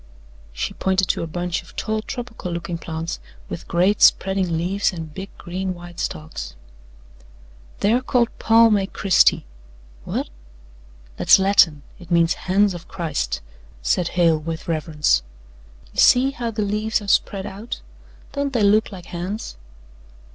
She pointed to a bunch of tall tropical looking plants with great spreading leaves and big green white stalks. "They're called Palmae Christi." "Whut?" "That's Latin. It means 'Hands of Christ,'" said Hale with reverence. "You see how the leaves are spread out don't they look like hands?'